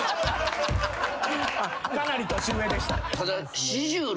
かなり年上でした。